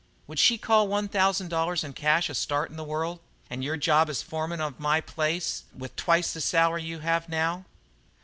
"Would she call one thousand dollars in cash a start in the world and your job as foreman of my place, with twice the salary you have now?"